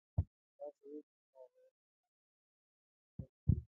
داسې وچ مغروره او ضدي خلک وو.